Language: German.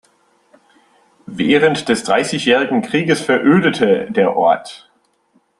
Während des Dreißigjährigen Krieges verödete der Ort.